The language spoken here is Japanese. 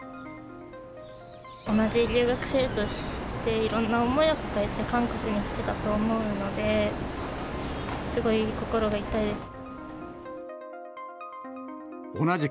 同じ留学生として、いろんな思いを抱えて韓国に来てたと思うので、すごい心が痛いです。